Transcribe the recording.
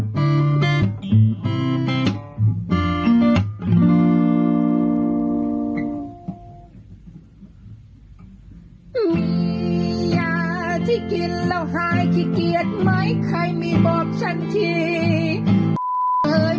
มียาที่กินแล้วหายขี้เกียจไหมใครไม่บอกฉันที